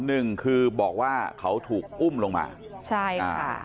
หนึ่งคือบอกว่าเขาถูกอุ้มลงมาใช่อ่า